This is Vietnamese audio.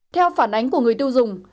theo phản ánh của người tiêu dùng